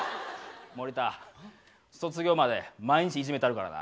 森田卒業まで毎日いじめたるからな。